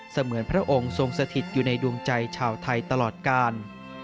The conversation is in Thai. เหมือนพระองค์ทรงสถิตอยู่ในดวงใจชาวไทยตลอดกาล